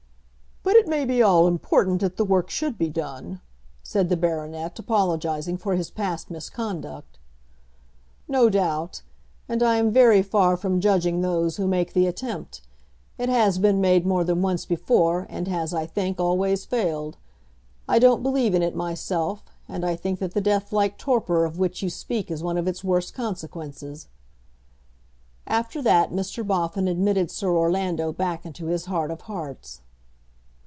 "But it may be all important that the work should be done," said the Baronet, apologising for his past misconduct. "No doubt; and I am very far from judging those who make the attempt. It has been made more than once before, and has, I think, always failed. I don't believe in it myself, and I think that the death like torpor of which you speak is one of its worst consequences." After that Mr. Boffin admitted Sir Orlando back into his heart of hearts.